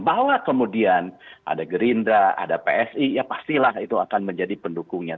bahwa kemudian ada gerindra ada psi ya pastilah itu akan menjadi pendukungnya